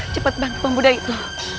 cepat bangkit pemuda itu